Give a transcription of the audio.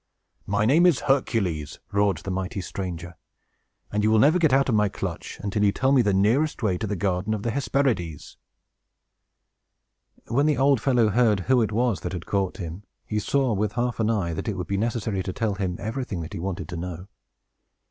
"My name is Hercules!" roared the mighty stranger. "And you will never get out of my clutch, until you tell me the nearest way to the garden of the Hesperides!" When the old fellow heard who it was that had caught him, he saw, with half an eye, that it would be necessary to tell him everything that he wanted to know.